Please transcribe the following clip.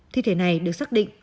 thi thể này được xác định